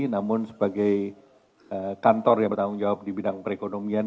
namun sebagai kantor yang bertanggung jawab di bidang perekonomian